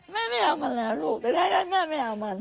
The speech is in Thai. แม่ไม่เอามันแล้วลูกแต่แค่แค่แม่ไม่เอามัน